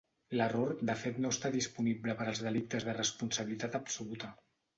L'error de fet no està disponible per als delictes de responsabilitat absoluta.